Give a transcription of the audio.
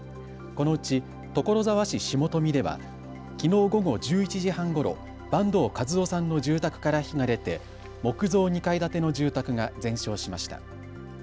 このうち所沢市下富ではきのう午後１１時半ごろ、坂東和雄さんの住宅から火が出て木造２階建ての住宅が全焼しました。